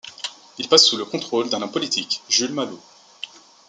Il passe sous le contrôle d'un homme politique, Jules Malou.